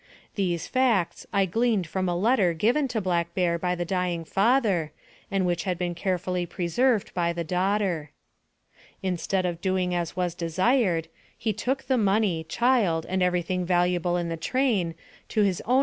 These facts I gleaned from a letter given to Black Bear by the dying father, and which had been carefully preserved by the daughter. Instead of doing as was desired, he took the money, child, and every thing valuable in the train, to his own AMONG THE SIOUX INDIANS.